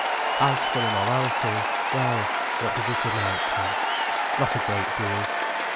As for immorality—well, what did it amount to? Not a great deal.